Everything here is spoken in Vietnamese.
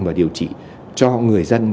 và điều trị cho người dân